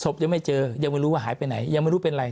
ยังไม่เจอยังไม่รู้ว่าหายไปไหนยังไม่รู้เป็นอะไร